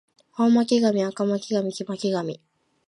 青巻紙赤巻紙黄巻紙